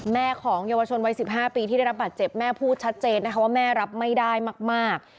แม่ของเยาวชนวัย๑๕ปีที่ได้รับบาดเจ็บแม่พูดชัดเจนนะคะว่าแม่รับไม่ได้มาก